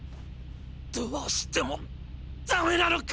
どうしてもダメなのか？